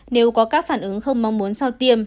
nếu có các phản ứng không mong muốn sau tiêm